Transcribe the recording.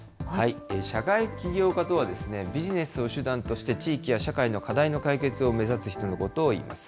社会起業家とは、ビジネスを手段として、地域や社会の課題の解決を目指す人のことをいいます。